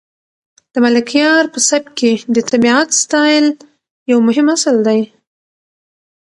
د ملکیار په سبک کې د طبیعت ستایل یو مهم اصل دی.